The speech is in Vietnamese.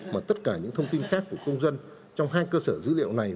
mà tất cả những thông tin khác của công dân trong hai cơ sở dữ liệu này